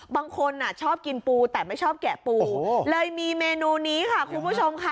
บางคนชอบกินปูแต่ไม่ชอบแกะปูเลยมีเมนูนี้ค่ะคุณผู้ชมค่ะ